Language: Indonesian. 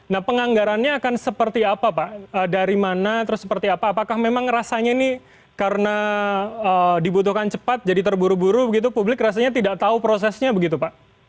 nah penganggarannya akan seperti apa pak dari mana terus seperti apa apakah memang rasanya ini karena dibutuhkan cepat jadi terburu buru begitu publik rasanya tidak tahu prosesnya begitu pak